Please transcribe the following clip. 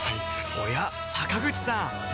おや坂口さん